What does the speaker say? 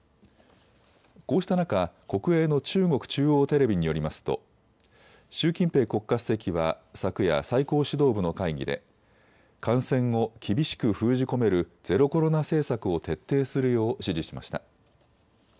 こうした中、国営の中国中央テレビによりますと習近平国家主席は昨夜最高指導部の会議で感染を厳しく封じ込めるゼロコロナ政策を徹底するよう指示しました。